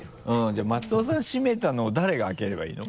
じゃあ松尾さん閉めたのを誰が開ければいいの？